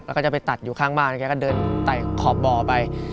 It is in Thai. แล้วก็จะไปตัดอยู่ข้างบ้านแล้วแกก็เดินไต่ขอบบ่อไป